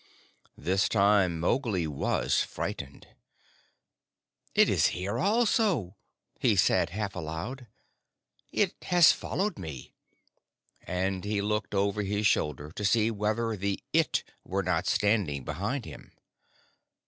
This time Mowgli was frightened. "It is here also!" he said half aloud. "It has followed me," and he looked over his shoulder to see whether the It were not standing behind him.